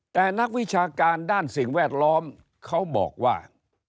แต่นักวิชาการด้านสิ่งแวดล้อมเขาบอกว่า